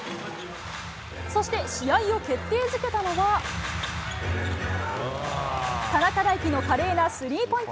そして、試合を決定づけたのは田中大貴の華麗なスリーポイント。